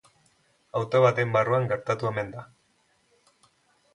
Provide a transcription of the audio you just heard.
Auto baten barruan gertatu omen da.